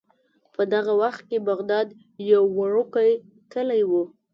په دغه وخت کې بغداد یو وړوکی کلی و.